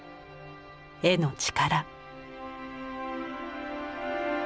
絵の力。